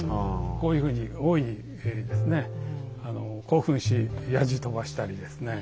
こういうふうに大いに興奮しやじ飛ばしたりですね。